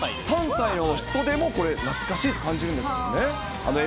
３歳の人でもこれ、懐かしいと感じるんですもんね。